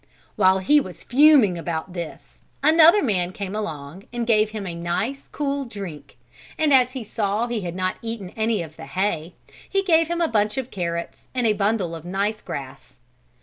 While he was fuming about this, another man came along and gave him a nice, cool drink, and as he saw he had not eaten any of the hay he gave him a bunch of carrots and a bundle of nice grass.